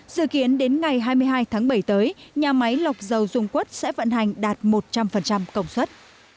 dự kiến đến ngày hai mươi hai tháng bảy tới nhà máy lọc dầu dung quất sẽ vận hành đạt một trăm linh công suất